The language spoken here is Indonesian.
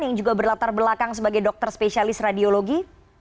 yang juga berlatar belakang sebagai dokter spesialis radiologi